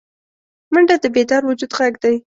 منډه د بیدار وجود غږ دی